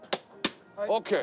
オーケー。